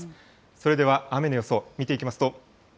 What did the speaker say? それでは雨の予想、見ていきますと。